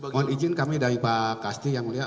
mohon izin kami dari pak kasti yang mulia